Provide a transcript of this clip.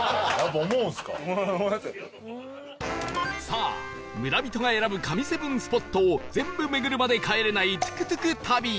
さあ村人が選ぶ神７スポットを全部巡るまで帰れないトゥクトゥク旅